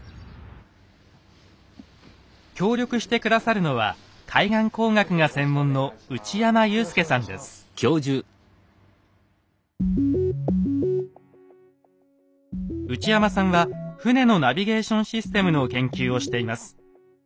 協力して下さるのは海岸工学が専門の内山さんは船のナビゲーションシステムの研究をしています。